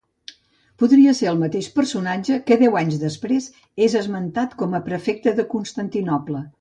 Podria ser el mateix personatge que deu anys després és esmentat com prefecte de Constantinoble.